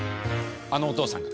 あのお父さんが。